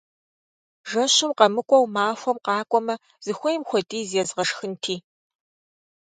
Жэщым къэмыкӀуэу махуэм къакӀуэмэ, зыхуейм хуэдиз езгъэшхынти!